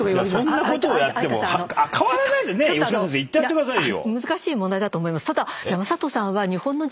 そんなことをやっても変わらない吉川先生言ってやってくださいよ。